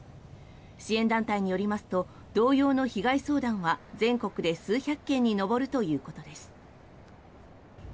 支援団体によりますと同様の被害相談は全国で数百件に上るということです。